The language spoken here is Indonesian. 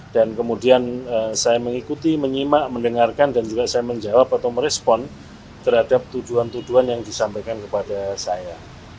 dan kemudian saya mengikuti menyimak mendengarkan dan juga saya menjawab atau merespon terhadap tujuan tujuan yang disampaikan kepada saya